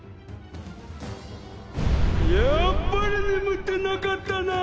やっぱりねむってなかったな！